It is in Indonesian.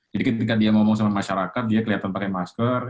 jadi ketika dia ngomong sama masyarakat dia kelihatan pakai masker